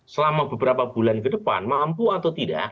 selama beberapa bulan ke depan mampu atau tidak